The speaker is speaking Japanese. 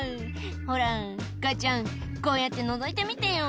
「ほら母ちゃんこうやってのぞいてみてよ」